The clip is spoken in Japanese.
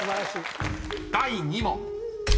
［第２問］